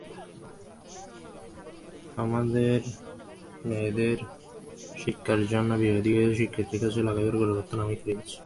আমাদের মেয়েদের শিক্ষার জন্য বিধবাদিগকে শিক্ষয়িত্রীয় কাজে লাগাইবার গোড়াপত্তন আমি করিয়াছি।